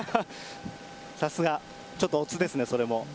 さすが、ちょっとおつですね、それも。